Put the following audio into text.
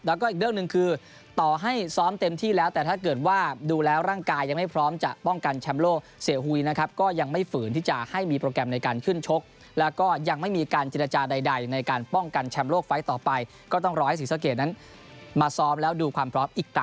แล้วก็อีกเรื่องหนึ่งคือต่อให้ซ้อมเต็มที่แล้วแต่ถ้าเกิดว่าดูแล้วร่างกายยังไม่พร้อมจะป้องกันแชมป์โลกเสียหุยนะครับก็ยังไม่ฝืนที่จะให้มีโปรแกรมในการขึ้นชกแล้วก็ยังไม่มีการเจรจาใดในการป้องกันแชมป์โลกไฟล์ต่อไปก็ต้องรอให้ศรีสะเกดนั้นมาซ้อมแล้วดูความพร้อมอีกต